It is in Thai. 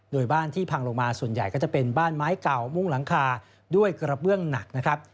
โดยบ้านที่พังลงมาส่วนใหญ่ก็จะเป็นบ้านไม้เก่ามุ่งหลังคาด้วยกระเบื้องหนักนะครับ